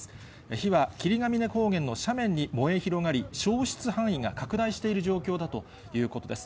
火は霧ヶ峰高原の斜面に燃え広がり、焼失範囲が拡大している状況だということです。